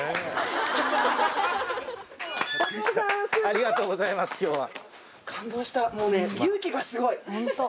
ありがとうございます今日は。